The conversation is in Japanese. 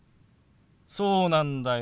そうなんだよ。